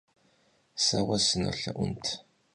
Se vue sınolhe'unut.